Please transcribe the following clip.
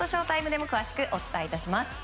ＳＨＯ‐ＴＩＭＥでも詳しくお伝えします。